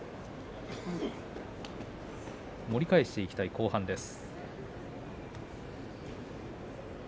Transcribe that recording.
盛り返していきたい後半です。